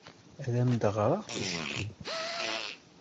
Ad am-d-ɣreɣ ticki?